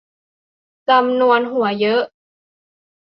จำนวนหัวเยอะ